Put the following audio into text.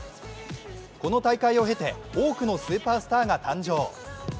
この大会を経て、多くのスーパースターが誕生。